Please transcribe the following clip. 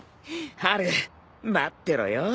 ハル待ってろよ。